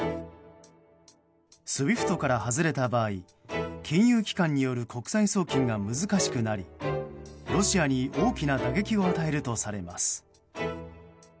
ＳＷＩＦＴから外れた場合金融機関による国際送金が難しくなりロシアに大きな打撃を与えるとされます。